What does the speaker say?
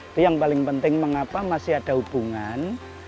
itu yang paling penting mengapa masih ada hubungan